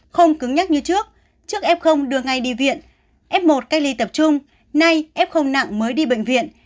không cứng nhắc như trước trước f đưa ngay đi viện f một cách ly tập trung nay f nặng mới đi bệnh viện